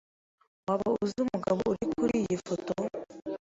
Waba uzi umugabo uri kuriyi foto?